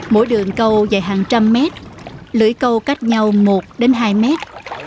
mỗi đường câu dài hàng trăm mét lưỡi câu cách nhau một đến hai mét